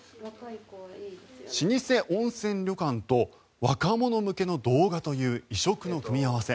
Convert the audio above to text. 老舗温泉旅館と若者向けの動画という異色の組み合わせ。